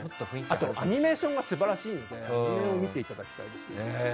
あと、アニメーションが素晴らしいのでそれを見ていただきたいです。